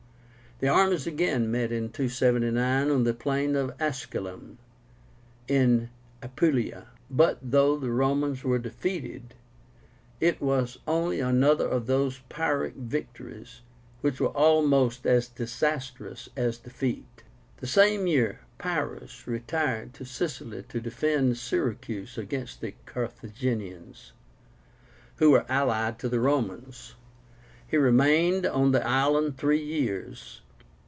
The armies again met in 279 on the plain of ASCULUM, in Apulia; but though the Romans were defeated, it was only another of those Pyrrhic victories which were almost as disastrous as defeat. The same year Pyrrhus retired to Sicily to defend Syracuse against the Carthaginians, who were allied to the Romans. He remained on the island three years.